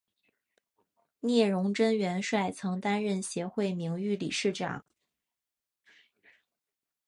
聂荣臻元帅曾担任协会名誉理事长。